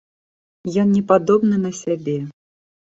Ён непадобны на сябе.